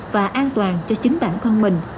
và an toàn cho chính bản thân mình